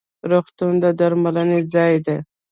روغتون د درملنې ځای دی